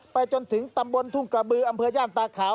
ไปจนถึงตำบลทุ่งกระบืออำเภอย่านตาขาว